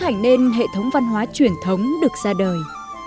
những trò chơi truyền thống được ra đời